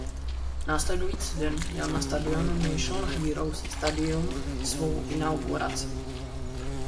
Následující den měl na stadionu National Heroes Stadium svou inauguraci.